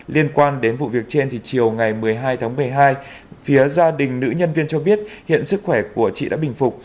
liên quan đến vụ việc trên thì chiều ngày một mươi hai tháng một mươi hai phía gia đình nữ nhân viên cho biết hiện sức khỏe của chị đã bình phục